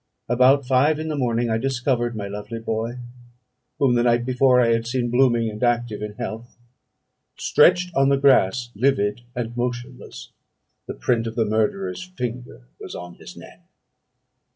About five in the morning I discovered my lovely boy, whom the night before I had seen blooming and active in health, stretched on the grass livid and motionless: the print of the murderer's finger was on his neck.